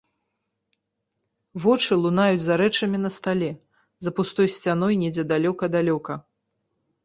Вочы лунаюць за рэчамі на стале, за пустой сцяной недзе далёка-далёка.